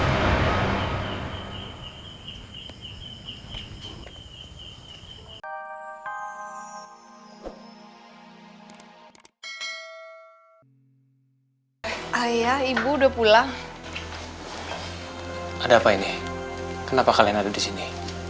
hai ayah ibu udah pulang ada apa ini kenapa kalian ada di sini